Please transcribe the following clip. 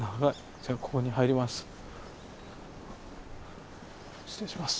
じゃあここに入ります。